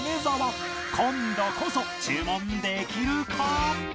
今度こそ注文できるか？